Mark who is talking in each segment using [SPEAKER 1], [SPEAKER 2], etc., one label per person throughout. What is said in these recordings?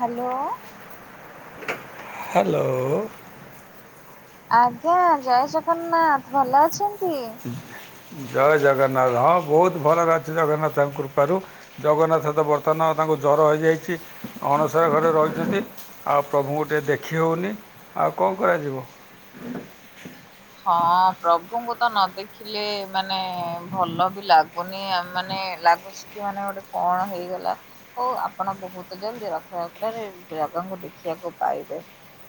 [SPEAKER 1] Hello.
[SPEAKER 2] Hello.
[SPEAKER 1] ଆଜ୍ଞା ଜୟ ଜଗନ୍ନାଥ ଭଲ ଅଛନ୍ତି?
[SPEAKER 2] ଜୟ ଜଗନ୍ନାଥ ହଁ ବହୁତ ଭଲରେ ଅଛି ଜଗନ୍ନାଥ ତାଙ୍କ କୃପାରୁ। ଜଗନ୍ନାଥ ତ ବର୍ତ୍ତମାନ ତାଙ୍କୁ ଜର ହୋଇଯାଇଛି ଅଣସର ଘରେ ରହିଛନ୍ତି। ଆଉ ପ୍ରଭୁଙ୍କୁ ଟିକେ ଦେଖି ହେଉନି ଆଉ କଣ କରାଯିବ।
[SPEAKER 1] ହଁ ପ୍ରଭୁଙ୍କୁ ତ ନ ଦେଖିଲେ ମାନେ ଭଲ ବି ଲାଗୁନି ମାନେ ଲାଗୁ ଛି ମାନେ ଗୋଟେ କଣ ହେଇଗଲା। ଓ ଆପଣ ବହୁତ ଜଲଦି ରଥଯାତ୍ରାରେ ଜାଗାଙ୍କୁ ଦେଖିବାକୁ ପାଇବେ।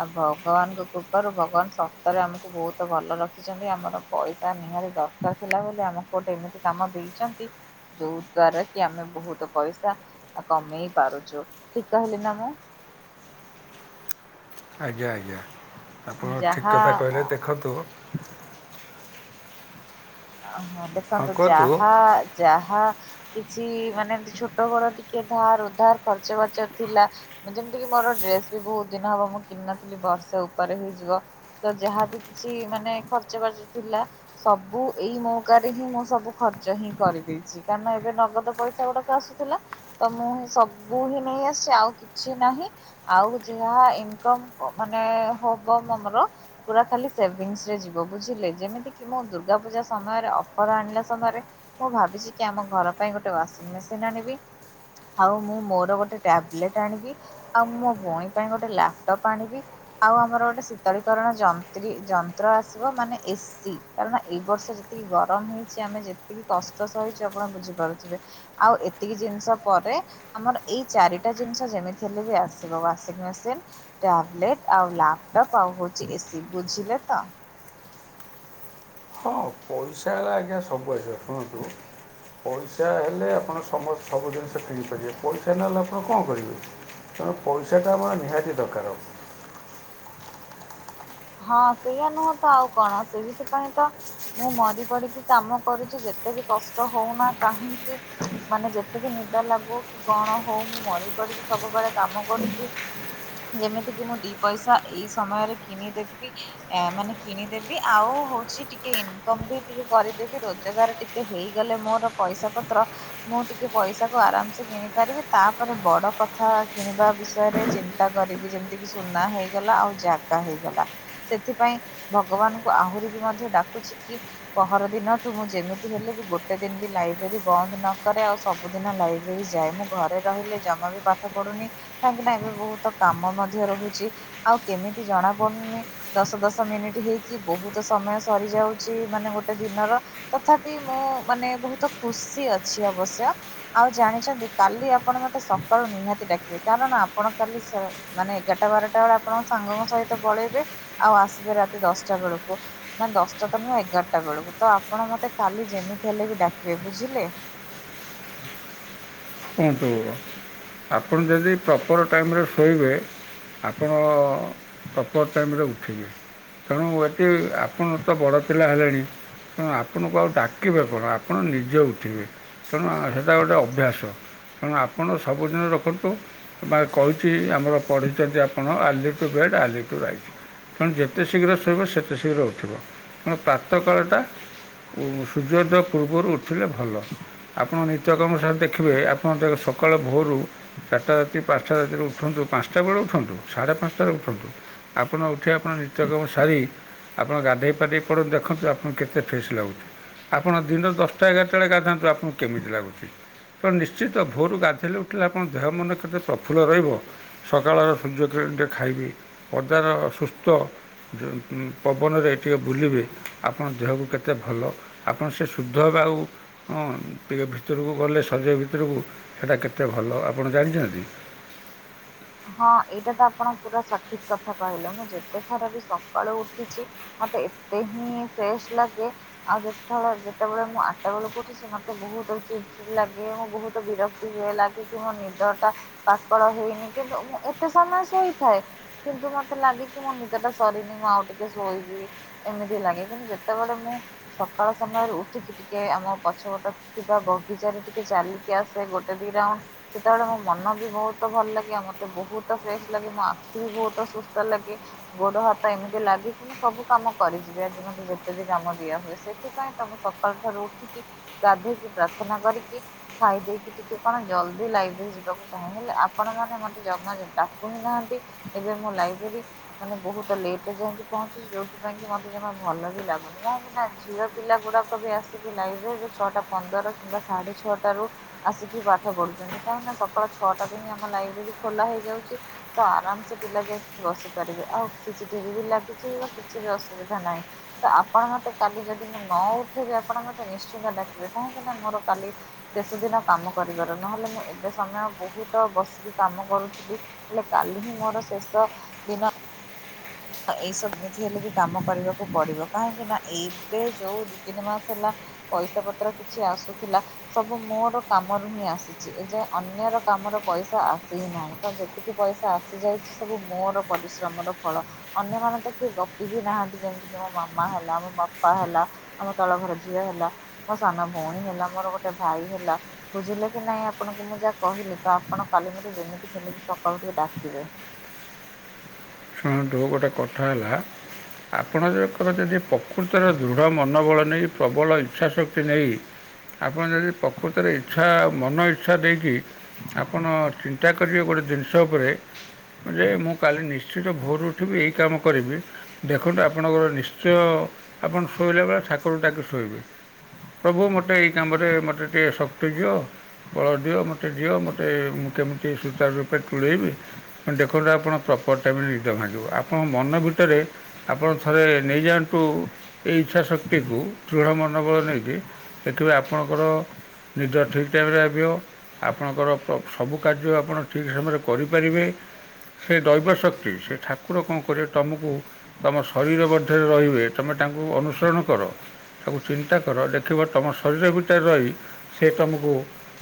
[SPEAKER 1] ଆଉ ଭଗବାନଙ୍କ କୃପାରୁ ଭଗବାନ ସତରେ ଆମକୁ ବହୁତ ତ ଭଲ ରଖିଛନ୍ତି ଆମର ପଇସା ନିହାତି ଦରକାର ଥିଲା ବୋଲି ଆମକୁ ଗୋଟେ ଏମିତି କାମ ଦେଇଛନ୍ତି। ଯୋଉଦ୍ଵାରା କି ଆମେ ବହୁତ ପଇସା କମେଇ ପାରୁଛୁ ଠିକ କହିଲି ନା ମୁଁ।
[SPEAKER 2] ଆଜ୍ଞା ଆଜ୍ଞା ଆପଣ ଠିକ୍
[SPEAKER 1] ଯାହା
[SPEAKER 2] କଥା
[SPEAKER 1] ଆ
[SPEAKER 2] କହିଲେ ଦେଖନ୍ତୁ
[SPEAKER 1] ଅ ହଁ ଦେଖନ୍ତୁ
[SPEAKER 2] କୁହନ୍ତୁ
[SPEAKER 1] ଯାହା ଯାହା କିଛି ମାନେ ଏମତି ଛୋଟ ଘର ଟିକେ ଧାର ଉଧାର ଖର୍ଚ୍ଚ ବାର୍ଚ ଥିଲା, ମୁଁ ଯେମିତି କିି ମୋର ଡ୍ରେସ ବି ବହୁତ ଦିନ ହବ ମୁଁ କିଣିନଥିଲି ବର୍ଷେ ଉପରେ ହେଇଯିବ। ତ ଯାହାବି କିଛି ମାନେ ଖର୍ଚ୍ଚ ବାର୍ଚ୍ଚ ଥିଲା ସବୁ ଏଇ ମୌକାରେ ହିଁ ମୁଁ ସବୁ ଖର୍ଚ୍ଚ ହିଁ କରିଦେଇଛି କାରଣ ଏବେ ନଗଦ ପଇସା ଗୁଡ଼ାକ ଆସୁଥିଲା। ତ ମୁଁ ହଁ ସବୁ ହିଁ ନେଇ ଆସିଛି ଆଉ କିଛି ନାହିଁ। ଆଉ ଯାହା ଇନକମ୍ ମାନେ ହବ ଆମର ପୁରା ଖାଲି ସେଭିଙ୍ଗସ୍ ରେ ଯିବ ବୁଝିଲେ ଯେମିତି କି ମୁଁ ଦୁର୍ଗା ପୂଜା ସମୟରେ ଅଫର ଆଣିଲା ସମୟରେ ମୁଁ ଭାବିଛି କି ଆମ ଘର ପାଇଁ ଗୋଟେ ୱାସିଂମେସିନ ଆଣିବି, ଆଉ ମୁଁ ମୋର ଗୋଟେ ଟ୍ୟାବଲେଟ ଆଣିବି। ଆଉ ମୋ ଭଉଣୀ ପାଇଁ ଗୋଟେ ଲାପଟପ୍ ଆଣିବି। ଆଉ ଆମର ଗୋଟେ ଶୀତଳୀକରଣ ଯନ୍ତ୍ରୀ ଯନ୍ତ୍ର ଆସିବ, ମାନେ ଏ ଶୀ କାରଣ ଏଇ ବର୍ଷ ଯେତିକି ଗରମ ହେଇଛି ଆମେ ଯେତିକି କଷ୍ଟ ସହିଛୁ ଆପଣ ବୁଝିପାରୁଥିବେ। ଆଉ ଏତିକି ଜିନିଷ ପରେ ଆମର ଏଇ ଚାରିଟା ଜିନିଷ ଯେମିତି ହେଲେ ବି ଆସିବ ୱାଂସିଂମେସିନ, ଟ୍ୟାବଲେଟ୍ ଆଉ ଲାପଟପ୍ ଆଉ ହେଉଛି ଏସି ବୁଝିଲେ ତ।
[SPEAKER 2] ହଁ ପଇସା ହେଲା ଆଜ୍ଞା ସବୁ ଆସିବ। ଶୁଣନ୍ତୁ ପଇସା ହେଲେ ଆପଣ ସମସ୍ତ ସବୁ ଜିନିଷ କିଣିପାରିବେ ପଇସା ନହେଲେ ଆପଣ କଣ କରିବେ। ତେଣୁ ପଇସା ଟା ଆମର ନିହାତି ଦରକାର ହବ।
[SPEAKER 1] ହଁ ସେଇଆ ନୁହଁ ତ ଆଉ କଣ ସେଇଥିପାଇଁ ତ ମୁଁ ମରି ପଡ଼ିକି କାମ କରୁଛି ଯେତେ ବି କଷ୍ଟ ହଉନା କାହିଁକି। ମାନେ ଯେତେ ବି ନିଦ ଲାଗୁ କଣ ହଉ ମୁଁ ମରି ପଡ଼ିକି ସବୁବେଳେ କାମ କରୁଛି। ଯେମିତି କିି ମୁଁ ଦି ପଇସା ଏଇ ସମୟରେ କିଣିଦେବି ଆ ମାନେ କିଣିଦେବି। ଆଉ ହଉଛି ଟିକେ ଇନକମ୍ ବି ଟିକେ କରିଦେବି ରୋଜଗାର ଟିକେ ଟିକେ ହେଇଗଲେ ମୋର ପଇସା ପତ୍ର ମୁଁ ଟିକେ ପଇସା କୁ ଆରାମସେ କିଣି ପାରିବି ତାପରେ ବଡ଼ କଥା କିଣିବା ବିଷୟରେ ଚିନ୍ ତା କରିବି ଯେମିତିକି ସୁନା ହେଇଗଲା ଆଉ ଜାଗା ହେଇଗଲା। ସେଥିପାଇଁ ଭଗବାନଙ୍କୁ ଆହୁରି ବି ମଧ୍ୟ୍ୟ ଡାକୁଛି କି ପହରଦିନଠୁ ମୁଁ ଯେମିତି ହେଲେ ବି ଗୋଟେ ଦିନ ବି ଲାଇବ୍ରେରୀ ବନ୍ଦ ନକରେ। ଆଉ ସବୁ ସବୁଦିନ ଲାଇବ୍ରେରୀ ଯାଏ ମୁଁ ଘରେ ରହିଲେ ଜମା ବି ପାଠ ପଢୁନି। କାହିଁକି ନା ଏବେ ବହୁତ କାମ ମଧ୍ୟ ରହୁଛି ଆଉ କେମିତି ଜଣା ପଡୁନି ଦଶ ଦଶ ମିନିଟି ହେଇକି ବହୁତ ସମୟ ସରିଯାଉଛି, ମାନେ ଗୋଟେ ଦିନର। ତଥାପି ମୁଁ ମାନେ ବହୁତ ଖୁସି ଅଛି ଅବଶ୍ୟ। ଆଉ ଜାଣିଛନ୍ତି କାଲି ଆପଣ ମତେ ସକାଳୁ ନିହାତି ଡାକିବେ କାରଣ ଆପଣ କାଲି ସ ମାନେ ଏଗାରଟା ବାରଟା ବେଳେ ଆପଣଙ୍କ ସାଙ୍ଗଙ୍କ ସହିତ ପଳେଇବେ ଆଉ ଆସିବେ ରାତି ଦଶଟା ବେଳକୁ। ନା ଦଶଟା ତ ନୁହେଁ ଏଗାରଟା ବେଳକୁ ତ ଆପଣ ମତେ କାଲି ଯେମିତି ହେଲେ ବି ଡାକିବେ ବୁଝିଲେ।
[SPEAKER 2] କୁହନ୍ତୁ ଆପଣ ଯଦି ପ୍ରପର୍ ଟାଇମ୍ ରେ ଶୋଇବେ ଆପଣ ପ୍ରପର୍ ଟାଇମରେ ଉଠିବେ। ତେଣୁ ଏଠି ଆପଣ ତ ବଡ଼ ପିଲା ହେଲେଣି। ତେଣୁ ଆପଣଙ୍କୁ ଆଉ ଡାକିବେ କଣ ଆପଣ ନିଜେ ଉଠିବେ ତେଣୁ ସେଇଟା ଗୋଟେ ଅଭ୍ୟାସ। ତେଣୁ ଆପଣ ସବୁଦିନ ରଖନ୍ତୁ। ବା କହିଛି ଆମର ପଢ଼ିଛନ୍ତି ଆପଣ early to bed early to right. ତେଣୁ ଯେତେ ଶୀଘ୍ର ଶୋଇବ ସେତେ ଶୀଘ୍ର ଉଠିବ ତେଣୁ ପ୍ରାତଃକାଳଟା। ଉ ସୂର୍ଯ୍ୟୋଦୟ ପୂର୍ବରୁ ଉଠିଲେ ଭଲ ଆପଣ ନିତ୍ୟକର୍ମ ସାରି ଦେଖିବେ। ଆପଣ ଯାକ ସକାଳ ଭୋରୁ। ଚାରିଟା ରାତି ପାଞ୍ଚଟା ରାତିରେ ଉଠନ୍ତୁ ପାଞ୍ଚଟା ବେଳେ ଉଠନ୍ତୁ ସାଢ଼େ ପାଞ୍ଚଟାରେ ଉଠନ୍ତୁ। ଆପଣ ଉଠି ଆପଣ ନିତ୍ୟକମ ସାରି। ଆପଣ ଗାଧୋଇ ପାଧେଇ ପଡ଼ନ୍ତ ଦେଖନ୍ତୁ ଆପଣଙ୍କୁ କେତେ ଫ୍ରେସ୍ ଲାଗୁଛି। ଆପଣ ଦିନ ଦଶଟା ଏଗାରଟା ରେ ଗାଧାନ୍ତୁ ଆପଙ୍କୁ କେମିତି ଲାଗୁଛି ତଣ ନିଶ୍ଚ ଚିତ ଭୋରୁ ଗାଧୋଇଲେ ଉଠିଲେ ଆପଣ ଦେହ ମନ କେତେ ପ୍ରଫୁ୍ଲ ରହିବ। ସକାଳର ସୂର୍ଯ୍ୟ କିିରଣ ଟିକଏ ଖାଇବି ପଦାର ସୁସ୍ଥ। ପବନରେ ଟିକେ ବୁଲିବେ ଆପଣ ଦେହକୁ କେତେ ଭଲ। ଆପଣ ସେ ଶୁଦ୍ଧ ହେବେ ଆଉ ହଁ ଟିକେ ଭିତରକୁ ଗଲେ ଶଜ ଭିତ ଭିତରକୁ ସେଇଟା କେତେ ଭଲ ଆପଣ ଜାଣିଛନ୍ତି।
[SPEAKER 1] ହଁ ଏଇଟା ତ ଆପଣ ପୁରା ସଠିକ କଥା କହିଲ ମୁଁ ଯେତେ ଥର ବି ସକାଳୁ ଉଠିଛି। ମତେ ଏତେ ହିଁ ଫ୍ରେଶ ଲାଗେ ଆଉ ଯେତେଳେ ଯେତେବେଳେ ମୁଁ ଆଟା ବେଳକୁ ଉଠି ମତେ ବହୁତ ଚିଡ ଚିଡ ଲାଗେ ମୁଁ ବହୁତ ବିରକ୍ତି ହୁଏ ଲାଗେ କି ମୋ ନିଦ ଟା ପାକଳ ହେଇନି କିନ୍ତୁ ମୁଁ ଏତେ ସମୟ ଶୋଇଥାଏ। କିନ୍ତୁ ମତେ ଲାଗେ କି ମୋ ନିଦ ଟା ସରିନି ମୁଁ ଆଉ ଟିକେ ଶୋଇବି। ଏମିତି ଲାଗେ କିନ୍ତୁ ଯେତେବେଳେ ମୁଁ ସକାଳ ସମୟରୁ ଉଠିକି ଟିକେ ଆମ ପଛ ପଟ ଥିବା ବଗିଚାରେ ଟିକେ ଚାଲିକି ଆସେ ଗୋଟେ ଦି ରାଉଣ୍ଡ। ସେତେବେଳେ ମୋ ମନ ବି ବହୁତ ଭଲ ଲାଗେ ଆମ ମତେ ବହୁତ ଫ୍ରେଶ ଲାଗେ ମୋ ଆଖି ବି ବହୁତ ସୁସ୍ଥ ଲାଗେ ଗୋଡ ହାତ ଏମିତି ଲାଗେ କି ମୁଁ ସବୁ କାମ କରିଯିବି ଆଜି ମତେ ଯେତେବ କାମ ଦିଆ ହୁଏ ସେଥିପାଇଁ ତ ମୁଁ ସକାଳୁ ଠାରୁ ଉଠିକି। ଗାଧେଇକି ପ୍ରାର୍ଥନା କରିକି। ଖାଇ ଦେଇକି ଟିକେ କଣ ଜଲ୍ଦି ଲାଇବ୍ରେରୀ ଯିବାକୁ ଚାହେଁ ହେଲେ ଆପଣ ମାନେ ମ ଜମା ତ ଡାକୁ ହିଁ ନାହାନ୍ତି ଏବେ ମୁଁ ଲାଇବ୍ରେରୀ ମାନେ ବହୁତ ଲେଟରେ ଯାଇକି ପହଞ୍ଚୁଛି। ଯୋଉଥି ପାଇଁ କି ମତେ ଜମା ଭଲ ବି ଲାଗୁନି କାହିଁକି ନା ଝିଅ ପିଲା ଗୁଡାକ ବି ଆସିକି ଲାଇବ୍ରେରୀରେ। ଛଅଟା ପନ୍ଦର କିମ୍ବା ସାଢ଼େ ଛଅଟାରୁ। ଆସିକି ପାଠ ପଢୁଛନ୍ତି କାହିଁକି ନା ସକାଳ ଛଅଟାରୁ ହିଁ ଆମ ଲାଇବ୍ରେରୀ ଖୋଲା ହେଇଯାଉଛି। ତ ଆରାମ ସେ ପିଲା ଯାଇକି ବସି ପାରିବେ ଆଉ ସିସିଟିଭି ବି ଲାଗିଛି ବା କିଛି ବି ଅସୁବିଧା ନାହିଁ। ତ ଆପଣ ମତେ କାଲି ଯଦି ମୁଁ ନ ଉଠିବି ଆପଣ ମତେ ନିଶ୍ଚିନ୍ତ ଡାକିବେ କାହିଁକି ନା ମୋର କାଲି। ଶେଷ ଦିନ କାମ କରିବାର ନହେଲେ ମୁଁ ଏବେ ସମୟ ବହୁତ ବସିକି। କାମ କରୁଥିଲି ହେଲେ କାଲି ହିଁ ମୋର ଶେଷ ଦିନ। ଏଇସବ ଏମିତି ହେଲେ ବି କାମ କରିବାକୁ ପଡିବ କାହିଁକି ନା ଏବେ ଯୋଉ ଦି ତିନି ମାସ ହେଲା। ପଇସା ପତ୍ର କିଛି ଆସୁଥିଲା। ସବୁ ମୋର କାମରୁ ହିଁ ଆସିଛି ଏଯାଁ ଅନ୍ୟର କାମର ପଇସା ଆସି ହି ନାହିଁ ତ ଯେ ତିକି ପଇସା ଆସିଯାଇଛି ସବୁ ମୋର ପରିଶ୍ରମର ଫଳ। ଅନ୍ୟମାନେ ତ କିଏ ଗପି ବି ନାହାନ୍ତି ଯେମିତିକି ମୋ ମାମା ହେଲା ମୋ ବାପା ହେଲା। ଆମ ତଳ ଘର ଝିଅ ହେଲା ମୋ ସାନ ଭଉଣୀ ହେଲା ମୋର ଗୋଟେ ଭାଇ ହେଲା। ବୁଝିଲେ କି ନାଇଁ ଆପଣଙ୍କୁ ମୁଁ ଯାହା କହିଲି ତ ଆପଣ କାଲି ମତେ ଯେମିତି ହେଲେ ବି ସକାଳୁ ଟିକେ ଡାକିବେ।
[SPEAKER 2] ଶୁଣନ୍ତୁ ଗୋଟେ କଥା ହେଲା ଆପଣଙ୍କର ଯଦି ପ ପ୍ରକୃତର ଦୃଢ଼ ମନୋବଳ ନେଇ। ପ୍ରବଳ ଇଚ୍ଛାଶକ୍ତି ନେଇ ଆପଣ ଯଦି ପ୍ରକୃତରେ ଇଚ୍ଛା ମନ ଇଚ୍ଛା ଦେଇକି। ଆପଣ ଚିନ୍ତା କରିବେ ଗୋଟେ ଜିନିଷ ଉପରେ ଯେ, ମୁଁ କାଲି ନିଶ୍ଚିତ। ଚାରିଟା ଭୋରୁ ଉଠିବି। ଏଇ କାମ କରିବି। ଦେଖନ୍ତୁ ଆପଣଙ୍କର ନିଶ୍ଚୟ ଆପଣ ଶୋଇଲା ବେଳେ ଠାକୁରଙ୍କୁ ଡାକି ଶୋଇବେ। ପ୍ରଭୁ ମୋତେ ଏଇ କାମରେ ମୋତେ ଟିକିଏ ଶକ୍ତି ଦିଅ। ବଳ ଦିଅ ଶକ୍ତି ମତେ ଦିଅ। ମୁଁ କେମିତି ସୂଚରୁ ରୂପେ ତୁଲେଇବି। ଦେଖନ୍ତୁ ଆପଣ ପ୍ରପର ଟାଇମ ରେ ନିଦ ଭାଙ୍ଗିବ। ଆପଣଙ୍କ ମନ ଭିତରେ। ଆପଣ ଥରେ ନେଇଯାଆନ୍ତୁ ଏ ଇଚ୍ଛାଶକ୍ତିକୁ। ଦୃଢ଼ ମନୋବଳ ନେଇକି, ଦେଖିବେ ଆପଣଙ୍କର ନିଦ ଠିକ ଟାଇମରେ ଲାଗିବ। ଆପଣଙ୍କର ସବୁ କାର୍ଯ୍ୟ ଆପଣ ଠିକ୍ ସମୟରେ କରିପାରିବେ। ସେ ଦୈବଶକ୍ତି। ସେ ଠାକୁର କଣ କରିବେ ତମକୁ। ତୁମ ଶରୀର ମଧ୍ୟରେ ରହିବେ ତୁମେ ତାଙ୍କୁ ଅନୁସରଣ କର। ତାକୁ ଚିନ୍ତା କର ଦେଖିବ ତୁମ ଶରୀର ଭିତରେ ରହି, ସେ ତୁମକୁ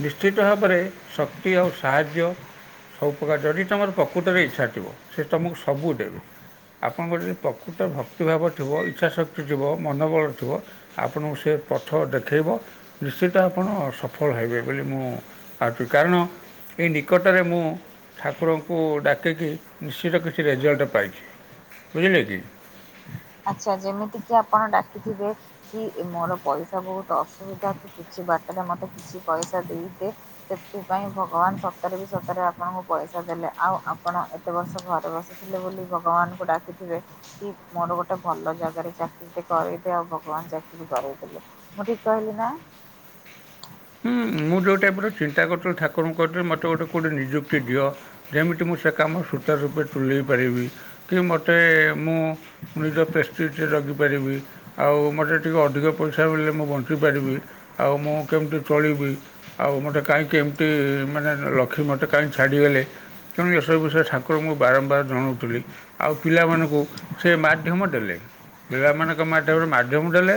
[SPEAKER 2] ନିଶ୍ଚିତ ଭାବରେ ଶକ୍ତି ଆଉ ସାହାଯ୍ୟ। ସବୁପ୍ରକାର ଯଦି ତୁମର ପ୍ରକୃ ତ ରେ ଇଚ୍ଛା ଥିବ ସେ ତୁମକୁ ସବୁ ଦେବେ। ଆପଣଙ୍କର ଯଦି ପ୍ରକୃତ ଭକ୍ତିଭାବ ଥିବ, ଇଚ୍ଛାଶକ୍ତି ଥିବ, ମନୋବଳ ଥିବ, ଆପଣଙ୍କୁ ସେ ପଥ ଦେଖାଇବ। ନିଶ୍ଚିତ ଆପଣ ସଫଳ ହେବେ ବୋଲି ମୁଁ ଭାବଛି। କାରଣ, ଏ ନିକଟରେ ମୁଁ ଠାକୁରଙ୍କୁ ଡାକିକି। ନିଶ୍ଚିତ କିଛି ରେଜଲ୍ଟ ପାଇଛି ବୁଝିଲେ କି?
[SPEAKER 1] ଆଚ୍ଛା ଯେମିତି କିି ଆପଣ ଡାକିଥିବେ।। କି ମୋର ପଇସା ବହୁତ ଅସୁବିଧା। କି କିଛି ବାଟରେ ମତେ କିଛି ପଇସା ଦେଇଦେ। ସେଥିପାଇଁ ଭଗବାନ ସତରେ ବି ସତରେ ଆପଣଙ୍କୁ ପଇସା ଦେଲେ। ଆଉ ଆପଣ ଏତେ ବର୍ଷ ଘରେ ବସି। ଥିଲେ ବୋଲି ଭଗବାନଙ୍କୁ ଡାକିଥିବେ। କି ମୋର ଗୋଟେ, ଗୋଟେ ଭଲ ଜାଗାରେ ଚାକିରି ଟେ କରଇଦିଅ। ଆଉ ଭଗବାନ ଚାକିରୀ କରେଇଦେଲେ, ମୁଁ ଠିକ କହିଲି ନା।
[SPEAKER 2] ହୁଁ ମୁଁ ଯୋଉ ଟାଇପର ଚିନ୍ତା କରୁଥିଲି ଠାକୁରଙ୍କ କହିିଥିଲି ମୋତେ ଗୋଟେ କେଉଁଠି ନିଯୁକ୍ତି ଦିଅ। ଯେମିତି ମୁଁ ସେ କାମ ସୁଚାରୁ ରୂପେ ତୁଲେଇ ପାରିବି କି? ମୋତେ ମୁଁ ନିଜ ପେଷ୍ଟିଜରେ ରଖିପାରିବି। ଆଉ ମୋତେ ଟିକେ ଅଧିକ ପଇସା ମିଳିଲେ ମୁଁ ବଞ୍ଚିପାରିବି ଆଉ ମୁଁ କେମିତି ଚଳିବି। ଆଉ ମୋତେ କାହିଁକି ଏମିତି ମାନେ ଲକ୍ଷ୍ମୀ ମୋତେ କାହିଁକି ଛାଡ଼ିଗଲେ। ତେଣୁ ଏସବୁ ବିଷୟରେ ଠାକୁରଙ୍କୁ ମୁଁ ବାରମ୍ବାର ଜଣାଉଥିଲି। ଆଉ ପିଲାମାନଙ୍କୁ ସେ ମାଧ୍ୟମ ଦେଲେ ପିଲାମାନଙ୍କ ମାଧ୍ୟମରେ ମାଧ୍ୟମ ଦେଲେ।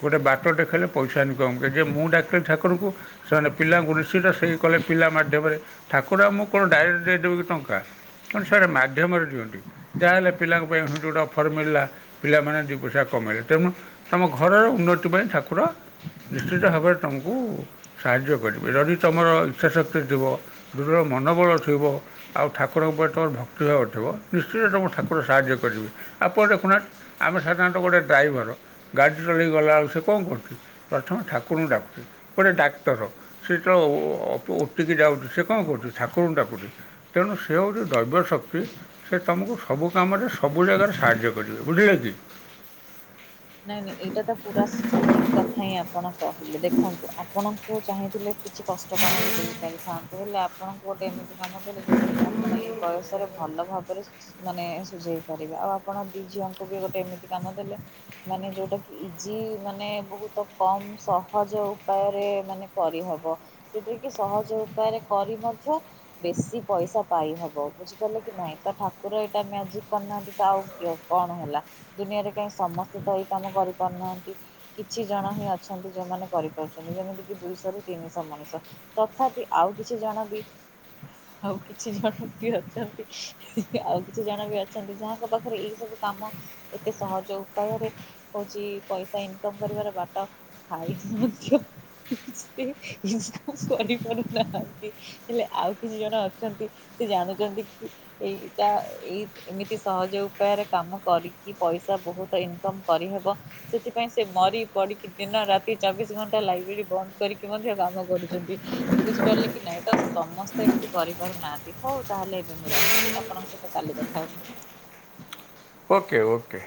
[SPEAKER 2] ଗୋଟେ ବାଟଦେଖେଇଲେ ପଇସା ଇନକମରେ, ଯେହେତୁ ମୁଁ ଡାକେ ଠା କୁରଙ୍କୁ ପରଙ୍କୁ ସେମାନେ ପିଲାଙ୍କୁ ନିଶ୍ଚିତ ସେଇ କଲେ ପିଲା ମାଧ୍ୟମରେ ଠାକୁର ଆମକୁ କଣ ଡାଇରେକ୍ଟ ଦେଇଦେବେ କି ଟଙ୍କା, ସେ ଗୋଟେ ମାଧ୍ୟମରେ ଦିଅନ୍ତି। ଯାହାହେଲେ ପିଲାଙ୍କ ପାଇଁ ଗୋଟେ ଅଫର୍ ମିଳିଲା। ପିଲାମାନେ ଦୁଇ ପଇସା କମେଇଲେ, ତେଣୁ। ତମ ଘରର ଉନ୍ନତି ପାଇଁ ଠାକୁର ନିଶ୍ଚିତ ଭାବରେ ତମକୁ କୁ ସାହାଯ୍ୟ କରିବେ। ଯଦି ତୁମର ଇଚ୍ଛାଶକ୍ତି ଥିବ ଦୃଢ଼ ମନୋବେଲ ଆଉ ଠାକୁରଙ୍କ ଉପରେ ତୁମର ଭକ୍ତିଭାବ ଥିବ। ନିଶ୍ଚିତ ତମ କୁଠାକୁର ସାହାଯ୍ୟ କରିବେ। ଆପଣ ଦେଖୁନାହାନ୍ତିି। ଆମେ ସାଧାରଣତଃ ଗୋଟେ ଡ୍ରାଇଭର ଗାଡ଼ି ଚଲେଇ ଗଲାବେଳୁ ସେ କଣ କରୁଛି। ପ୍ରଥମେ ଠାକୁରଙ୍କୁ ଡାକୁଛି। ଗୋଟେ ଡାକ୍ତର ସେ ତ ଓ, ଟି, କି ଯାଉଛି ସେ କଣ କରୁଛି ଠାକୁର ଙ୍କୁଡାକୁଛି। ତେଣୁ ସେ ହଉଛି ଦ୍ରୈବ୍ୟ ଶକ୍ତି। ସେ ତମକୁ ସବୁ କାମରେ ସବୁ ଜାଗାରେ ସାହାଯ୍ୟ କରିବେ, ବୁଝିଲେ କି?
[SPEAKER 1] ନାଇଁ ନାଇଁ ଏଇଟା, ତ ପୁରା ସଠିକ୍ କଥା ହିଁ ଆପଣ କହିଲେ, ଦେଖନ୍ତୁ ଆପଣଙ୍କୁ ଚାହିଁଥିଲେ। କିଛି କଷ୍ଟ କାମ ବି ଦେଇପାରିଥାନ୍ତେ ହେଲେ ଆପଣଙ୍କୁ ଗୋଟେ ଏମିତି କାମ ଦେଲେ ଯଉଟା ତାକି ଆପଣ ଏଇ ବୟସରେ ଭଲ ଭାବରେ ମାନେ ସୁଝେଇ ପାରିବେ, ଆଉ ଆପଣ ଦି ଝିଅଙ୍କୁ ବି ଗୋଟେ ଏମିତି କାମ ଦେଲେ ମାନେ ଯୋଉଟାକି ଇଜି ମାନେ ବହୁତ କମ୍ ସହଜ ଉପାୟରେ ମାନେ କରିହେବ। ଯୋଉଟା କିି ସହଜ ଉପାୟରେ କରି ମଧ୍ୟ। ବେଶି ପଇସା ପାଇହବ ବୁଝିପାରିଲେ କି ନାଇଁ ତ ଠାକୁର ଏଇଟା ମାଜିକ୍ କରିନାହାନ୍ତି। ତ ଆଉ କିଅ କଣ ହେଲା ଦୁନିଆରେ କାହିଁ ସମସ୍ତେ ତ ଏଇ କାମ କରିପାରୁନାହାନ୍ତି। କିଛି ଜଣ ହିଁ ଅଛନ୍ତି ଯୋଉମାନେ କରିପାରୁଛନ୍ତି, ଯେମିତିକି ଦୁଇଶହ ରୁ ତିନିଶହ ମଣିଷ। ତଥାପି ଆଉ କିଛି ଜଣ ବି ଆଉ କିଛି ଜଣ ବି ଅଛନ୍ତି। ଆଉ କିଛି ଜଣ ବି ଅଛନ୍ତି ଯାହାଙ୍କ ପାଖରେ ଏଇ ସବୁ କାମ ଏତେ ସହଜ। ଉପାୟରେ ହୋଉଛି ପଇସା ଇନକମ୍ କରିବାର ବାଟ ଥାଇ ମଧ୍ଯ। ସେ ଇନକମ୍ କରିପାରୁନାହାନ୍ତି। ହେଲେ ଆଉ କିଛି ଜଣ ଅଛନ୍ତି ସେ ଜାଣୁଛନ୍ତି କି। ଏଇଟା ଏଇ ଏମିତି ସହଜ ଉପାୟରେ କାମ କରିକି ପଇସା ବହୁତ୍ ଇନକମ୍ କରିହେବ। ସେଥିପାଇଁ ସେ ମରି ପଡିକି ଦିନ ରାତି ଚବିଶ୍ ଘଣ୍ଟା ଲାଇବ୍ରେରି ବନ୍ଦ କରିକି ମଧ୍ୟ କାମ କରୁଛନ୍ତି। ବୁଝିପାରିଲେ କି ନାଇଁ ତ ସମସ୍ତେ ଏମିତି କରିପାରୁନାହାନ୍ତି। ହଉ ତାହେଲେ ଏବେ ମୁଁ ରଖୁଛି, ଆପଣଙ୍କ ସହିତ କାଲି କଥା ହେବି।
[SPEAKER 2] Okay okay.